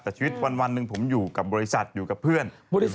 แต่ชีวิตวันหนึ่งผมอยู่กับบริษัทอยู่กับเพื่อน